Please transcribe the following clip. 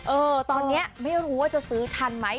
เออตอนนี้ไม่รู้ว่าจะซื้อทันไหม